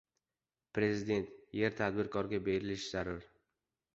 Prezident: “Yerni tadbirkorga berish zarur...”